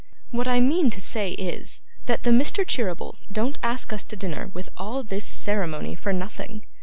What I mean to say is, that the Mr. Cheerybles don't ask us to dinner with all this ceremony for nothing.